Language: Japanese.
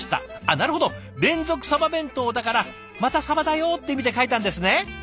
あっなるほど連続さば弁当だから「またさばだよ」って意味で書いたんですね。